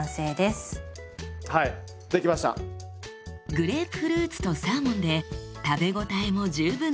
グレープフルーツとサーモンで食べ応えも十分なごちそうサラダです。